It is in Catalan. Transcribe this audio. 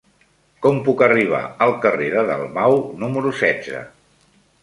Com puc arribar al carrer de Dalmau número setze?